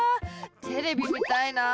テレビ見たいな。